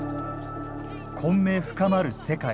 混迷深まる世界。